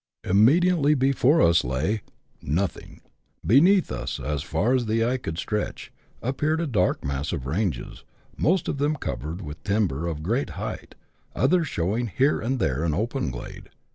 Immediately before us lay — nothing : beneath us, as far as the eye could stretch, appeared a dark mass of ranges, most of them covered with timber of great height, others showing here and there an open glade.